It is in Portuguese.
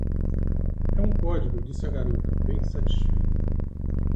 "É um código!”, disse a garota, bem satisfeita